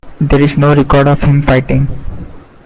There is no record of him fighting.